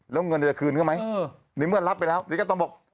แล้วเงินจะคืนหรือไม่ในเมื่อรับไปแล้วธิกาตองบอก